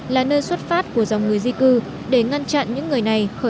là nơi xuất phát của dòng người di cư để ngăn chặn những người này